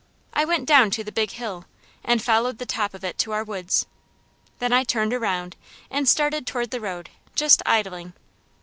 I went down to the Big Hill, and followed the top of it to our woods. Then I turned around, and started toward the road, just idling.